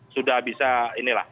sudah bisa ini lah